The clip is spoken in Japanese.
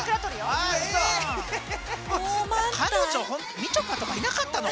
みちょぱとかいなかったのか？